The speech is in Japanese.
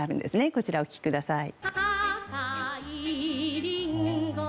こちらお聴きください。